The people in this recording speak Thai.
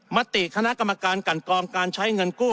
มติคณะกรรมการกันกรองการใช้เงินกู้